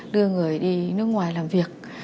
đưa người đi nước ngoài làm việc